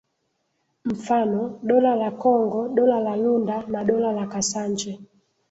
mfano Dola la Kongo Dola la Lunda na Dola la Kasanje